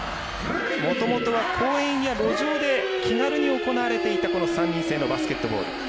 もともとは公園や路上で気軽に行われていたこの３人制のバスケットボール。